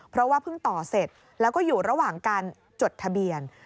เพราะว่าเพิ่งต่อเสร็จแล้วก็อยู่ระหว่างการจดทะเบียน